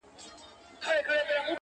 • اوس که چپ یمه خاموش یم وخت به راسي,